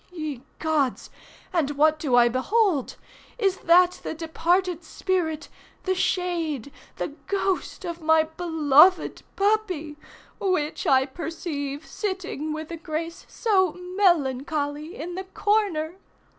Ye gods! and what do I behold—is that the departed spirit, the shade, the ghost, of my beloved puppy, which I perceive sitting with a grace so melancholy, in the corner?